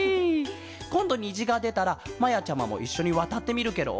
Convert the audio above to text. こんどにじがでたらまやちゃまもいっしょにわたってみるケロ？